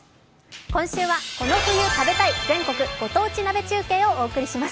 今秋はこの冬食べたい全国ご当地鍋中継をお伝えします。